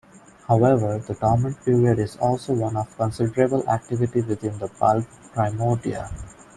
However the dormant period is also one of considerable activity within the bulb primordia.